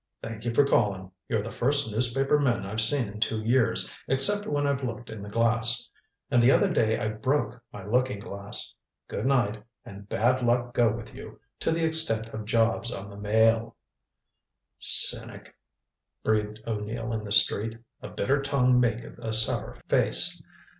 "Thank you for calling. You're the first newspaper men I've seen in two years, except when I've looked in the glass. And the other day I broke my looking glass. Good night, and bad luck go with you to the extent of jobs on the Mail." "Cynic," breathed O'Neill in the street. "A bitter tongue maketh a sour face.